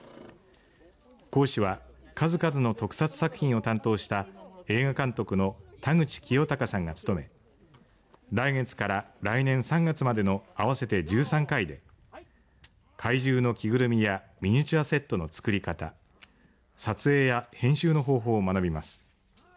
講師は数々の特撮作品を担当した映画監督の田口清隆さんが務め来月から来年３月までの合わせて１３回で怪獣の着ぐるみやミニチュアセットの作り方撮影や編集の方法を学びます。